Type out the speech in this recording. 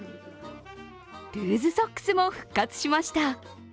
ルーズソックスも復活しました。